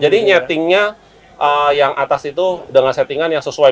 jadi settingnya yang atas itu dengan settingan yang sesuai